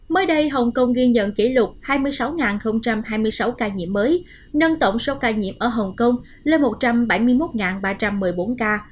mới đây hồng kông ghi nhận kỷ lục hai mươi sáu hai mươi sáu ca nhiễm mới nâng tổng số ca nhiễm ở hồng kông lên một trăm bảy mươi một ba trăm một mươi bốn ca